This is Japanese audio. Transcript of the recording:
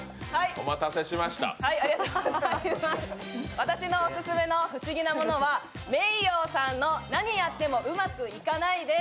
私のオススメの不思議なものはｍｅｉｙｏさんの「なにやってもうまくいかない」です。